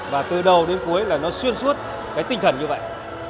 và từ đầu đến cuối là nó xuyên suốt cái tinh thần như vậy